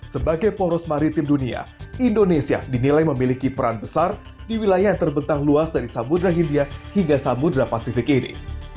sebagai poros maritim dunia indonesia dinilai memiliki peran besar di wilayah yang terbentang luas dari samudera hindia hingga samudera pasifik ini